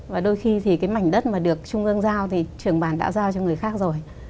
và đôi khi thì cái mảnh đất mà được trung ương giao thì trưởng bàn đã giao cho người khác rồi